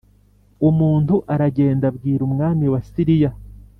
Umuntu aragenda abwira umwami wa siriya